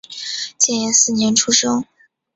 建炎四年出生。